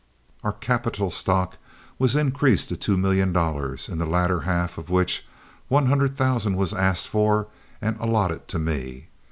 Our capital stock was increased to two million dollars, in the latter half of which, one hundred thousand was asked for and allotted to me.